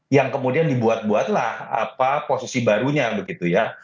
yang kemudian dibuat buatlah apa posisi barunya begitu ya